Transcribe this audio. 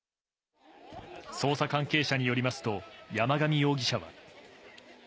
捜査関係者によりますと、山上容疑者は。